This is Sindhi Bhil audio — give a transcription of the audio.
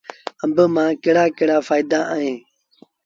آݩب مآݩ ڪهڙآ ڪهڙآ ڦآئيدآ اوهيݩ